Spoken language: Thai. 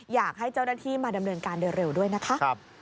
อยากให้เจ้าหน้าที่มาดำเนินการเร็วด้วยนะคะ